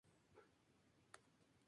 La pobreza sale a la luz en su obra.